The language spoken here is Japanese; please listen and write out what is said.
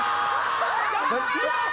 よし！